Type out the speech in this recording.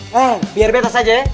eh biar beta saja ya